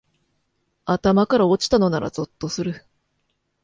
頭から落ちたのならゾッとする